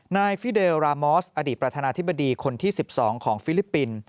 ฟิเดลรามอสอดีตประธานาธิบดีคนที่๑๒ของฟิลิปปินส์